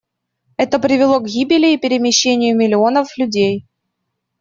Это привело к гибели и перемещению миллионов людей.